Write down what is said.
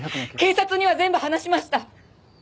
警察には全部話しました！